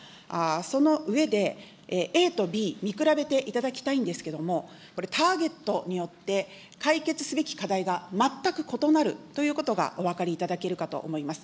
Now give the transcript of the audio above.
その上で、ＡとＢ、見比べていただきたいんですけれども、これ、ターゲットによって、解決すべき課題が全く異なるということがお分かりいただけるかと思います。